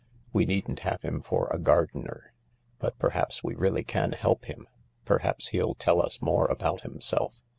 We needn't have him for a gardener. But perhaps we really can help him. Perhaps he'll tell us more about himself.